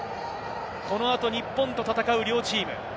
このあと日本と戦う両チーム。